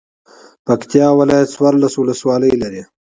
پکتيا ولايت څوارلس ولسوالۍ لری.